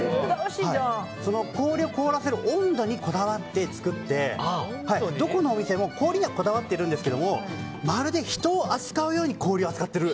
その氷を凍らせる温度にこだわって作ってどこのお店も氷にはこだわっているんですがまるで人を扱うように氷を扱っている。